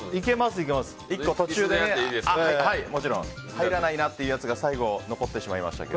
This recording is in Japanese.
１個途中で入らないなってやつが最後、残ってしまいましたけど。